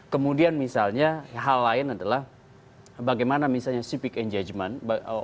kemudian misalnya hal lain adalah bagaimana misalnya civic engagement